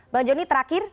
bang joni terakhir